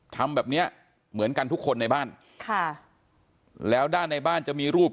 ทำแบบเนี้ยเหมือนกันทุกคนในบ้านค่ะแล้วด้านในบ้านจะมีรูป